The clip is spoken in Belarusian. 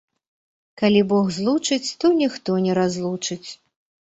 Калі Бог злучыць, то ніхто не разлучыць